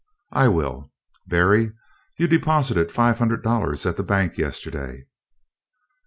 "I will. Berry, you deposited five hundred dollars at the bank yesterday?"